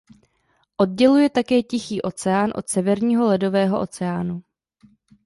Odděluje také Tichý oceán od Severního ledového oceánu.